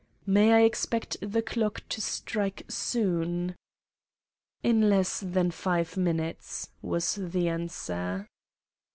"May I expect the clock to strike soon?" "In less than five minutes," was the answer.